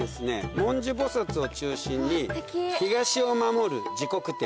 文殊菩薩を中心に東を守る持国天。